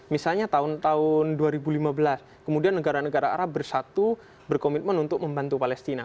misalnya tahun tahun dua ribu lima belas kemudian negara negara arab bersatu berkomitmen untuk membantu palestina